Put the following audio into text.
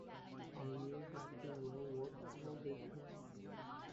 I knew but too well what all this meant.